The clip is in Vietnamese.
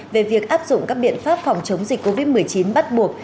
về việc áp dụng các biện pháp phòng chống dịch covid một mươi chín bắt buộc